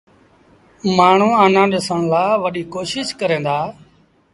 مآڻهوٚݩ آنآ ڏسڻ لآ وڏيٚ ڪوشيٚش ڪريݩ دآ۔